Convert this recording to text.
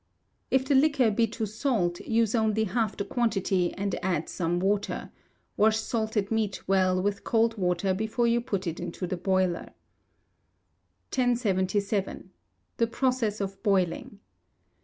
If the liquor be too salt, use only half the quantity, and add some water; wash salted meat well with cold water before you put it into the boiler. 1077. The Process of Boiling.